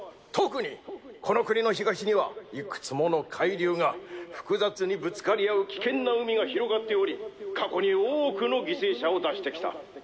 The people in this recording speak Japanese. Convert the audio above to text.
特にこの国の東にはいくつもの海流が複雑にぶつかり合う危険な海が広がっており過去に多くの犠牲者を出してきた。